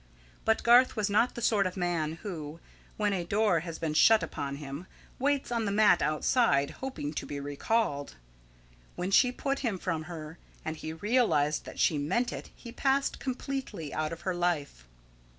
But Garth was not the sort of man who, when a door has been shut upon him, waits on the mat outside, hoping to be recalled. When she put him from her, and he realised that she meant it he passed completely out of her life.